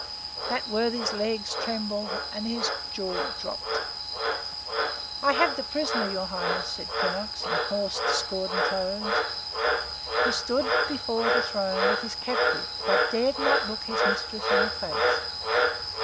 That worthy's legs trembled and his jaw dropped. "I have the prisoner, your Highness," said Quinnox, in hoarse, discordant tones. He stood before the throne with his captive, but dared not look his mistress in the face.